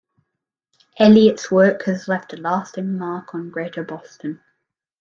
Eliot's work has left a lasting mark on greater Boston.